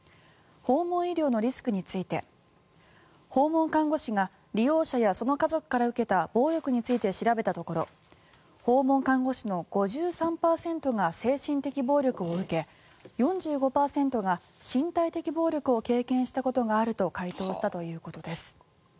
訪問医療のリスクについて訪問看護師が利用者やその家族から受けた暴力について調べたところ訪問看護師の５３％が精神的暴力を受け４５％が身体的暴力を経験したことがあると回答したということです。